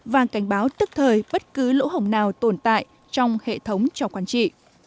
và cảnh báo tức thời bất cứ lỗ hổng nào tồn tại trong hệ thống cho quan trị